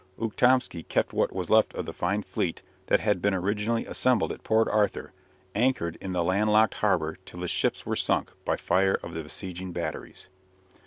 Ukhtomsky kept what was left of the fine fleet, that had been originally assembled at Port Arthur, anchored in the land locked harbour till the ships were sunk by fire of the besieging batteries.